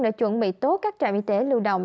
đã chuẩn bị tốt các trạm y tế lưu động